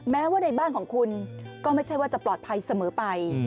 แม้ว่าในบ้านของคุณก็ไม่ใช่ว่าจะปลอดภัยเสมอไป